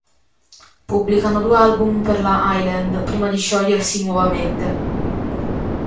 Pubblicano due album per la Island prima di sciogliersi nuovamente.